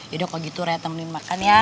yaudah kalo gitu raya temenin makan ya